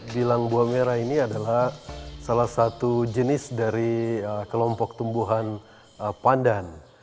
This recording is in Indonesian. bilang buah merah ini adalah salah satu jenis dari kelompok tumbuhan pandan